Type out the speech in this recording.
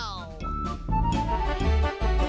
วาว